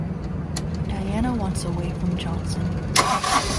Diana wants away from Johnson.